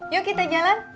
yuk kita jalan